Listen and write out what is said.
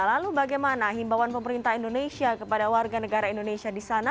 lalu bagaimana himbawan pemerintah indonesia kepada warga negara indonesia di sana